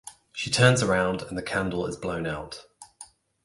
She turns around and the candle is blown out.